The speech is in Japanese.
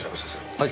はい。